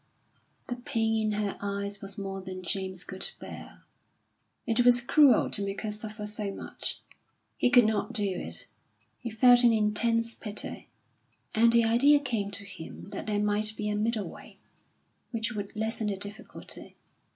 The pain in her eyes was more than James could bear; it was cruel to make her suffer so much. He could not do it. He felt an intense pity, and the idea came to him that there might be a middle way, which would lessen the difficulty.